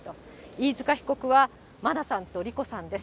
飯塚さんは、真菜さんと莉子さんです。